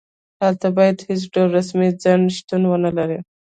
هلته باید هېڅ ډول رسمي خنډ شتون ونلري.